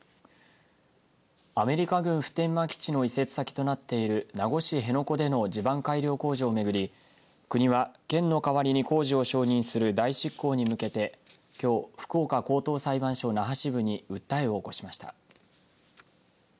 アメリカ軍普天間基地の移設先となっている名護市辺野古での地盤改良工事を巡り国は県の代わりに工事を承認する代執行に向けてきょう福岡高等裁判所那覇支部に訴えを起こしました。